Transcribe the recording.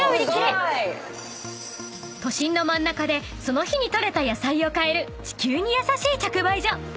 ［都心の真ん中でその日に採れた野菜を買える地球に優しい直売所］